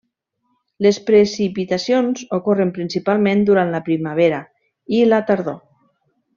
Les precipitacions ocorren principalment durant la primavera i la tardor.